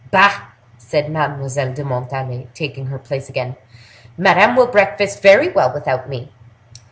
"Bah!" said Mademoiselle de Montalais, taking her place again; "Madame will breakfast very well without me!"